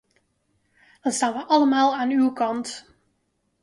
Dan staan wij allemaal aan uw kant.